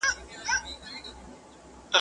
پنډ ته مه گوره، ايمان تې گوره.